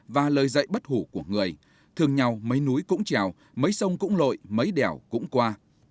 và lời dạy bất hủ của người thường nhau mấy núi cũng trèo mấy sông cũng lội mấy đèo cũng qua